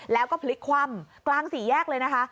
แล้วก็พลิกคว่ำกลางสี่แยกเลยนะคะ